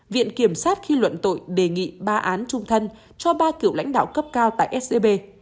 viện kiểm sát khi luận tội đề nghị ba án trung thân cho ba cựu lãnh đạo cấp cao tại scb